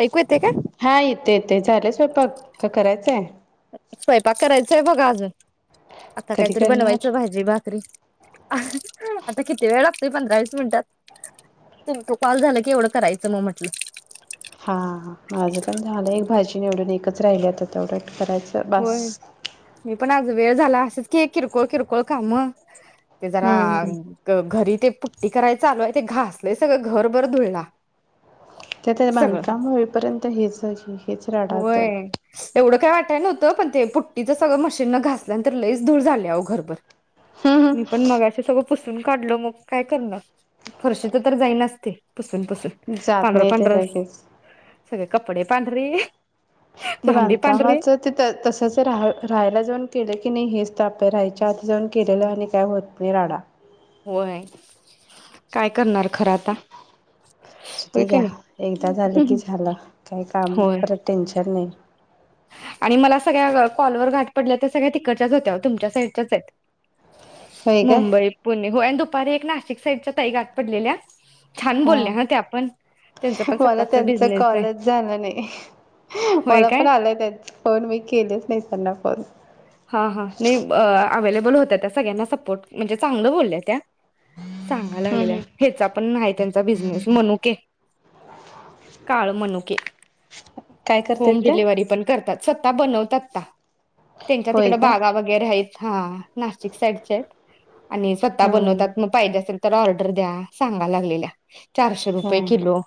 ऐकू येते का हा येते-येते झालेय स्वयपाक? का करायचंय? स्वयंपाक करायचाय बघा अजून. आता कधी कायतरी करणार बनवायचं भाजी भाकरी. आता किती वेळ लागतोय पंधरा वीस मिनिटात तुमको कॉल झालं की एवढं करायचं मग म्हटलं. हा माझं पण झालं एक भाजी निवडून एकच राहिलय आता तेवढं करायचं बास. होय मी पण आज वेळ झाला आसच की किरकोळ किरकोळ कामं ते जरा हम्म घरी ते पुट्टी कराय चालूहाय ते घासलय सगळं घरभर धुळा ते ते बांधकाम होईपर्यंत हेच आहे की होय. एवढं काय वाटय नव्हंत पण ते पुट्टीच सगळं मशीन न घासल्यानंतर लईच धूळ झाल्या ओ घरभर. मी हम्म पण मगाशी सगळ पूसून काढलो मग काय कर फरशीच तर जाई नाच ते पुसू पुसून जात पंधरा नाही ते पंधरा लगेच सगळे कपडे पांढरी री ते बांधकामाच ते तसच राहं राहायला जाऊन केलं की नाही हेच ताप हाय राहायच्या आत जाऊ केलेलं आणि काय होत नाही राडा होय काय करणार खरं आता होय आसुद्या का घ्या नाही एकदा झालं की झालं काय काम होय परत टेन्शन नाही. आणि मला सगळ्या कॉलवर गाठ पडल्या तर सगळ्या तिकडच्याच होत्या तुमच्या साईडच्याच आहेत. होय काय मुंबई पुणे होय आणि दुपारी एक नाशिक साईडच्या ताई गाठ पडलेल्या छान हा बोलल्या त्या पण त्यांचा पण मला स्वतःचा त्यांचं बिझनेस आहे कॉलच झालं नाही होय मला काय पण आलंय त्यां फोन मी केलेच नाही त्यांना फोन हां हा नाही अवेलेबल होत त्या सगळ्यांना सपोर्ट म्हणजे चांगलं बोलल्या त्या सांगा हम्म लागलेल्या हम्म हेचा पण नाही त्यांचा बिजनेस मनुके काळ मनुके. काय होम करतेत त्या? डिलिव्हरी पण करतात. स्वतः बनवतात तेच्या होय तिकड का बागा वगैरे आहेत. हा नाशिक साईडच्या आहेत. आणि स्वतः हम्म बनवतात म पाहिजे असेल तर ऑर्डर द्या सांगा लागलेल्या चारशे रुपये हम्म किलो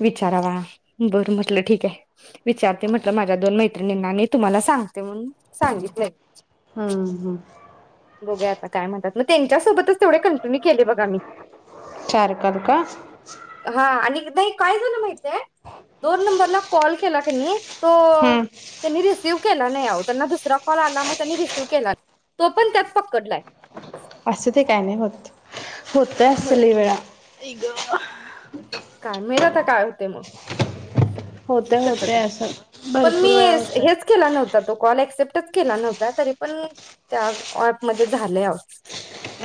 विचारावा बरं म्हटलं ठीक आहे. विचारते म्हटलं माझ्या दोन मैत्रिणींनानी तुम्हाला सांगते म्हणून सांगितलय. हम्म हम्म बघूया आता काय म्हणतात. मग त्यांच्यासोबतच तेवढे कंटिन्यू केले बघा मी. हा आणि [unintelligible] नाही काय झालं माहिती - - माहिती हाय दोन नंबरला - - कॉल केला कनी - - तो हम्म तेन्ही रि - - रिसिव्ह केला नाही आहो. त्यांना दूसरा कॉल आला म त्यांनी रिसिव्ह केला. मी पण त्याच पकडलाय. असूदेकाय नाही होत. होतय अस होय लय वेळा आई ग. काय मे आता काय होते मग. होतय कस काय. होतय असं पण मी भरपूर वेळा होतय. हेच केला नव्हता तो. कॉल ऍक्सेप्टच केला नव्हता तरी पण त्या ऍपमध्ये झालय आहो.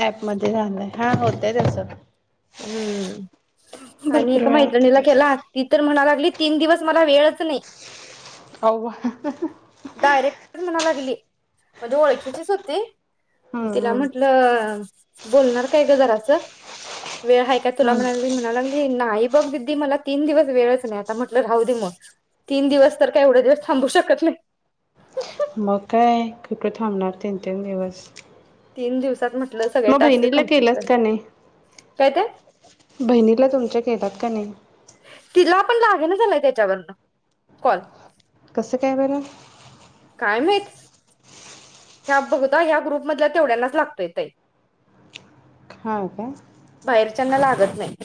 ऍप मध्ये झालंय. हा होतय तस. हम्म आणि भरपूर एका वेळा होतय मैत्रिणीला तसं. केला ती तर म्हणाय लागली - - तीन दिवस मला वेळच नाही. आवा डायरेक्टच म्हणाय लागली. म्हणजे ओळखीचीच होती. हम्म तिला हम्म म्हटलं - - बोलणार काय ग जरास. वेळ आहे काय तुला हम्म म्हणाली म्हणाला - - नाही बघ दिदी मला तीन दिवस वेळच नाही आता म्हटलं राहू दे मग तीन दिवस तर काय एवढे दिवस थांबू शकत नाही. कुठ थांबणार तीन तीन दिवस तीन दिवसात म - - मग बहिणीला केलंस का नाही? काय ते? बहिणीला तुमच्या केेतात का नाही? तिला पण लागे ना झालाय त्याच्यावरन कॉल. कसं काय बण काय माहित! ह्या बघता ह्या ग्रुप मधल्या तेवढ्यांनाच लागतो येतय. हा काय? त्यांना लागत नाही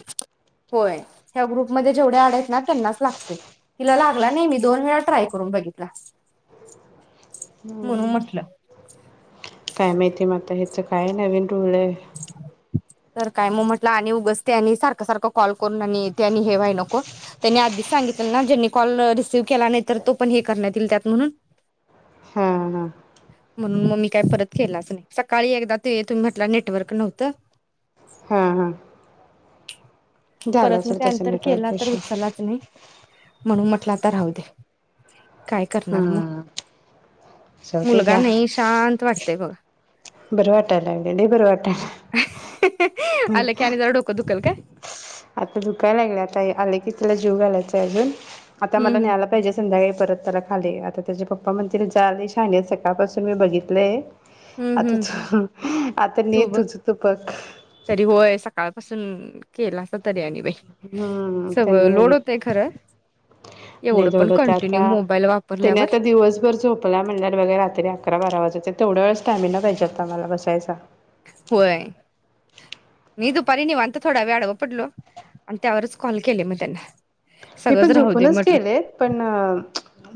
होय त्या ग्रुप मध्ये जेवढ्या अँड आहेत त्यांनाच लागतोय तिला लागला नाही मी दोन वेळा ट्राय करून बघीतला. म्हणून म्हटलं काय माहिती म आता हेच काय नवीन [unintelligible] तर काय मग म्हटलं आणि उगच त्यांनी सारखं सारखं कॉल करून आणि ते आणि हे व्हाय नको त्यांनी आधीच सांगितलं ना ज्यांनी कॉल रिसीव केला नाही तर तो पण हे करण्यात येईल त्यात म्हणून हा हा म्हणून मग मी काय परत केलाच नाही सकाळी एकदा ते तुम्ही म्हटला नेटवर्क नव्हतं. हा हा झाला परत मग असेल तसं त्यानंतर केला नेटवर्क तर इश्यू उचलाच नाही म्हणून म म्हंटलंं आता राहूदे काय करणार मग हम्म जाऊदे मुलगा घ्या. नाही शांत वाटतय बघा. बरं वाटाय लागलय लई बरं वाटा आलं की आणि जरा डोकं दुखल काय आता दुकाय लागल्यात आता आले की तेला जीऊ घालायचय आ आता हम्म मला हम्म न्यायला पाहिजे संध्याकाळी परत त्याला खाली आता त्याचे पप्पा म्हणतील जा लई शानीहाइस सकाळपासून मी बघितलंय हम्म आता हम्म तू आता ने तू बघ तुझं बघ. तरी होय सकाळपासून केलासा हुं, त्यांनी होतय बघितलं खरं लई एवढं जडं पण होतय कंटिन्यू आता मोबाईल तेनी वापरल्यावर आता दिवसभर झोपला म्हणल्या बघ रात्री अकरा बारा वाजवत्यात तेवढ्या वेळेस स्टॅमिना पाहिजे आता मला बसायचा. होय मी दुपारी निवात थोडा वेळ आडव पडलो आणि त्यावरच कॉल केले मग त्यांना मी सगळंच पण राहू दे झोपूनच म्हटलं केलेत पण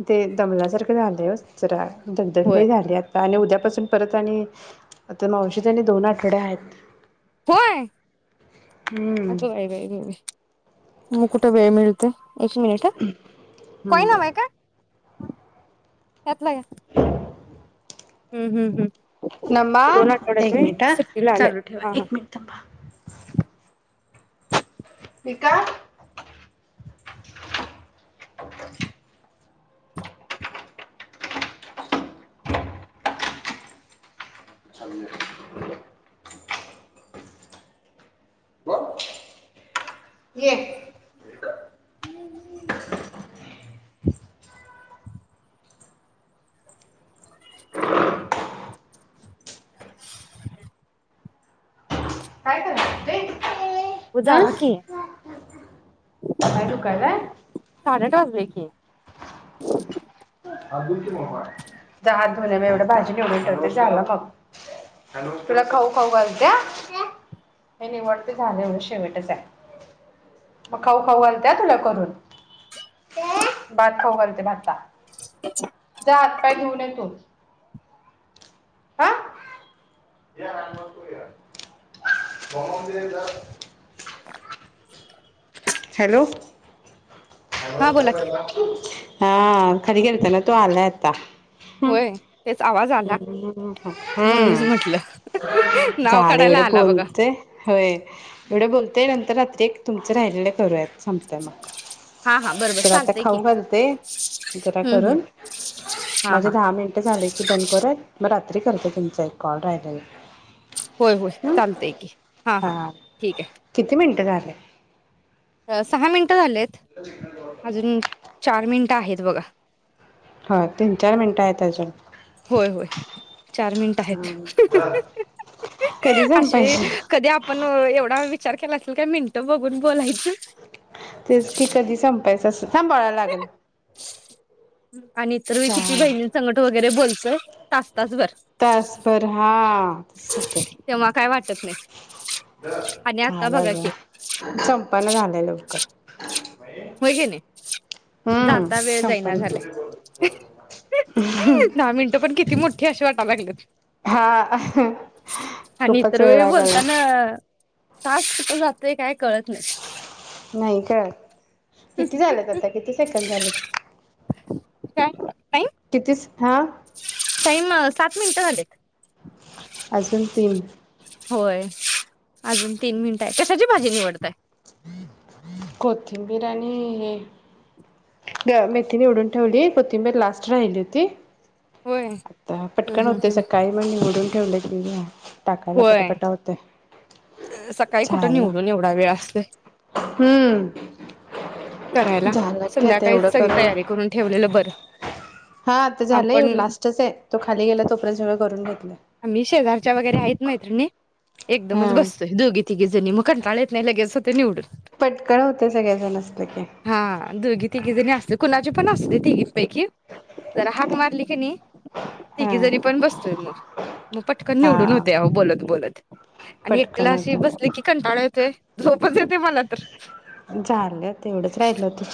ते दमलासारखं झालये. जरा दगदग होय लई झालीया आता आणि उद्या पासून परत आणि आता मावशीच आणि दोन आठवड्या आहेत. होय हम्म आगं बाई बाई मग कुठं वेळ मिळतय एक मिनिट हं कॉइन हम्म हवा हाय काय? ह्यातला हुं, हुं, हुं. नमी एक मिनिट हा सुट्टीला आलेत चालू ठेवा हा हा एक मिनिट थाबा [unintelligible] [inaudible] ये [inaudible] म काय करायलय ओ अ जावा कि. अजुन काय काय? साडेआठ वाजले की. हात धुल्या मी एवढ भाजी निवडून ठरते झाला खऊ तुला खाऊ खाऊ घालत्या हे निवडते झालं एवढ शेवटच आहे मग खाऊ खाऊ घालते तुला करून भात खाऊ घालते भाता. जा हात पाय धुऊन ये तु. आ. हॅलो. ह हा बोला की नस्कार. हा. खाली गेलते ना तो आलायत. ता. होय तेच आवाज आला हम्म् म्हणूनच हम्म, म्हटलं नाव झालं काढायला एवढं आला बघा बोलते होय एवढं बोलते नंतर रात्री तुर राहिलेलं करूयात संपतय मग. हा हा बरोबर तर आता चालतंय की खाऊ घते जरा हम्म हम्म करून हा हा माझे दहा मिनटं झाले की बंद करुयात. मग रात्री करते तुमचा एक कॉल राहिलाये. होय होय चालत की हा हा ठीक आहे. किती मिनिटं झाले सहा मिनिटं झालेत. ता आहेत बघा. ह तीन चार मिनटं आहेत अजुन. होय होय चार मिनिट आहेत कधी असे संपायचे कधी आपण एवढा वी विचार केला असेल का मिनट बघून बोलायचं. तेच की कधी संप पैसा सांभाळा लागल. आणि इ तरर मी किती बहिणी संकट वगैरे बोलतोय. तास. तासभर तसभर हा तस तेव्हा काय वाटत नाही आणि आता बघा झालंच की संपना झालं ये लवकर. व्ह्य जे ने हम्म जाता वेळ जाईना संपना झालाय दहा मिनट पण किती मोठी अशे वाट. हा अह आणि खूपच इतर वेळ वेळी लागला. बोलताना तास शिकल जातय काय. कळत नाही नाही कळत. किती झालेत आता किती सेकंड झालेत? कायं? कितीच हा टाईम सात मिनिटं झालेत. अजून तीन होय अजून तीन मिनट आहेत. कशाची भाजी निवडताय? कोथिंबिर आणि हे. गं मेथी निवडून ठेवली, कोथिंबीर लास्ट राहिली होती. होय आता हम्म पटकन हम्म होतेयं हम्म सकाळी, मग निवडून ठेवलं की. टाकायला पटापटा होय होतेयं. सकाळी कुठं निवडून एवढा वेळ असतोय. हम्म करायला झालं की आता संध्याकाळी एवढं सगळी तयारी करून ठेवलेलं बरं. हा आता झालंय आपण एवढ लास्टच आहे तो खाली गेला तोपर्यंत सगळं करून घेतलं. आम्ही शेजारच्या वगैरे आहेत मैत्रिणी. एकदमच हा बस. दोघी तिघी जणी मग कंटाळा येत नाही लगेच होतंय निवडून. पटकन होते सगळेजण असलं की. हा दोघी तिघी जणी असते कुणाची पण असते तिघीपैकी तर हाक मारली नी हा तिघी पण बसतोय मग मग पटकन निवडून हा होते अव बोलत बोलत आणि पटकन ला अशी होतं बसली की कंटाळा येतोय. झोपच येते मला तर. झालं तेवढंच राहिल होत.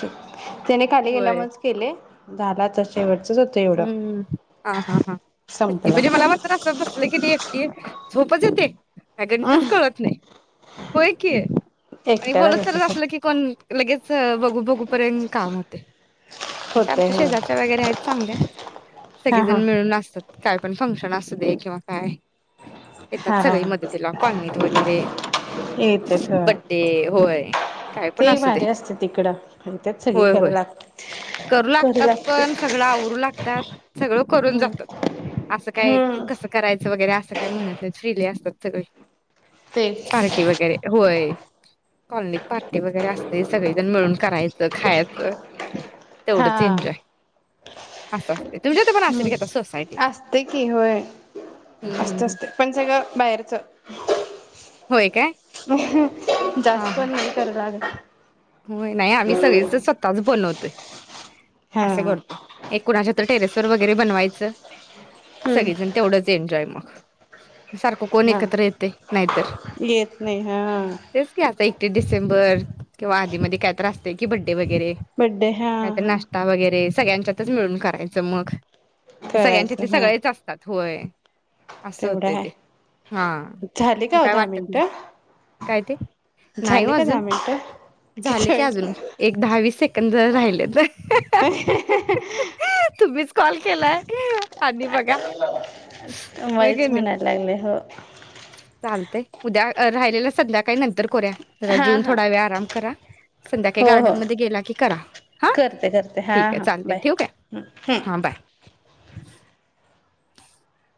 त्याने खाली होय. गेल्यामुळेच केले. झाल आता शेवट. हम्म हा हा हा संपलं म्हणजे मला मात्र असं बसलं कीनी. ते झोपच येते. काय अ गणितच कळत नाही. होय की आणि एकट्याला बोलत चालत तसच असलं की कोण लगेच. चं बघू बघूपर्यंत काम होतयं. तसे होतय आमच्या हो शेजारच्या वगैरे आहेत. चांगल्या हा हा सगळेजण मिळून असतात. काय पण फंक्शन असू दे किंवा काय? येतात हा सगळी हा मदतीला कॉलनीत वगैरे येतेत हो बड्डे होय काय पण ते असू दे भारी असते तिकडं त्यात सगळी होय करू होय लागते करू लागतात पण आवरू लागतात. सगळं करून हम्म जातात. असं काय हम्म कसं कराय्. यच वगैरे असं काय म्हणत नाहीत फ्रिली असतात सगळं. तेच की पार्टी वगैरे व्हय. कॉलनीत पार्टी वगैरे असतंय सगळीजण मिळून करायचं खायचं. हा तेवढंच एन्जॉय. असं. तुमच्या तर पण असेल हम्म की आता सोसायटीत असतय की होय हम्म हम्म असतं हम्म असतं पण सळं बाहेरच होय काय? [inaudible] हा जास्त हा पण नाही कराव लागत. [inaudible] होय नाही आम्ही सगळेच स्वतःच बनवतोय. ते हा असं करतोय. एक कुणाच्या तर टेरेसवर वगैरे बनवायचं. हम्म सगळीजण तेवढंच एन्जाॅय [inaudible] सारखं कोण हा एकत्र येतय नाहीतर येत नाही हा तेच की, आता एक सुट्टी डिसेंबर किंवा आधीमध्ये काय तरी असतंय कि ब् वगैरे बड्डे हा काय तर हा नाष्टा वगैरे सगळ्यांच्यातच मिळून करायचं मग करायचं सगळ्यांच्यातले हा सगळेच असतात होय. असं तेवढं होतय. आहे ते झाली हा का हो काय दहा वाटत नाही मिनिटं काय ते? नाही ओ झाली का दहा अजून मिनिटं झाले किती की अजून एक दहा वीस सेकंड राहिलेत. तुम्हीच अह्ं कॉल केलाय. आणि बघा व्हय मलाच कनी म्हणायला लागले हो चालतंय. उद्या राहिलेल सध्याकाळी नंतर करुया. जरा हा जेऊन हा थोडा वेळ आराम करा संध्याकाळी हो हो गार्डनमध्ये गेला की करा हा करते करते हा ठीक आहे हा चालतंय बाय ठेऊ हम्म काय? हा बाय. [inaudible]